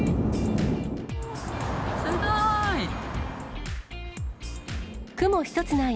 すごーい！